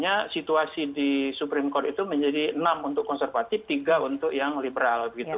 karena situasi di supreme court itu menjadi enam untuk konservatif tiga untuk yang liberal